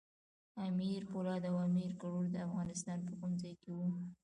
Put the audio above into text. امیر پولاد او امیر کروړ د افغانستان په کوم ځای کې وو؟